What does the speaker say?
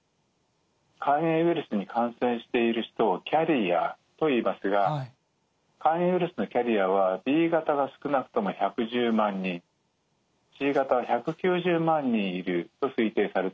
肝炎ウイルスに感染している人をキャリアといいますが肝炎ウイルスのキャリアはＢ型が少なくとも１１０万人Ｃ型は１９０万人いると推定されています。